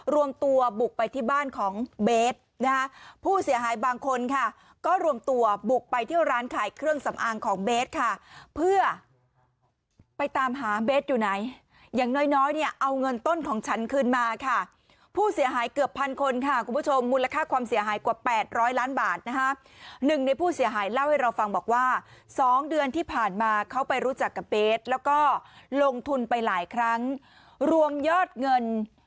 รวมตัวบุกไปที่บ้านของเบสนะฮะผู้เสียหายบางคนค่ะก็รวมตัวบุกไปเที่ยวร้านขายเครื่องสำอางของเบสค่ะเพื่อไปตามหาเบสอยู่ไหนอย่างน้อยน้อยเนี่ยเอาเงินต้นของฉันคืนมาค่ะผู้เสียหายเกือบพันคนค่ะคุณผู้ชมมูลค่าความเสียหายกว่าแปดร้อยล้านบาทนะฮะหนึ่งในผู้เสียหายเล่าให้เราฟังบอกว่าสองเดือนที่ผ่านมาเขาไปรู้จักกับเบสแล้วก็ลงทุนไปหลายครั้งรวมยอดเงิน